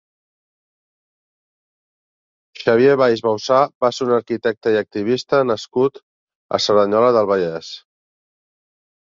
Xavier Valls Bauzà va ser un arquitecte i activista nascut a Cerdanyola del Vallès.